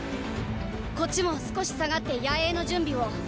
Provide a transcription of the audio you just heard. こっちも少し退がって野営の準備を。